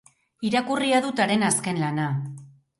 Irakurria dut haren azken lana.